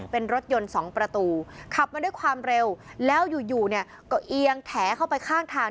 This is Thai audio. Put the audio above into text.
เป็นรถยนต์๒ประตูขับมาด้วยความเร็วแล้วอยู่เนี่ยก็เอียงแถเข้าไปข้างทาง